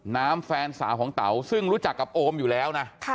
แฟนสาวของเต๋าซึ่งรู้จักกับโอมอยู่แล้วนะ